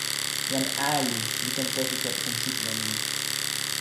jan ali li ken toki kepeken sitelen ni.